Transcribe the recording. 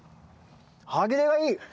歯切れがいい！